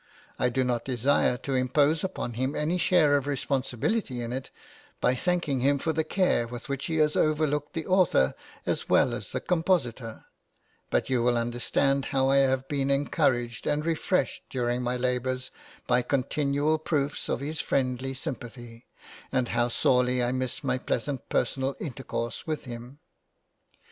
I do not desire to impose upon him any share of responsibility in it, by thanking him for the care with which he has overlooked the author as well as the compositor; but you will understand how I have been encouraged and refreshed during my labours by continual proofs of his friendly sympathy, and how sorely I miss my pleasant personal intercourse with him.